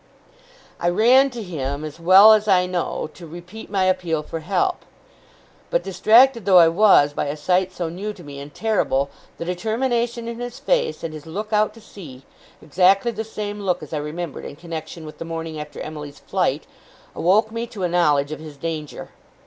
I ran to him as well as I know, to repeat my appeal for help. But, distracted though I was, by a sight so new to me and terrible, the determination in his face, and his look out to sea exactly the same look as I remembered in connexion with the morning after Emily's flight awoke me to a knowledge of his danger.